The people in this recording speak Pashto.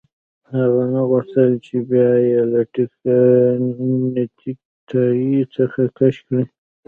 هغه نه غوښتل چې بیا یې له نیکټايي څخه کش کړي